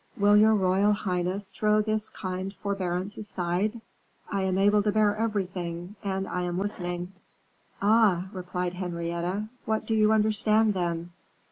Will your royal highness throw this kind forbearance aside? I am able to bear everything; and I am listening." "Ah!" replied Henrietta, "what do you understand, then?"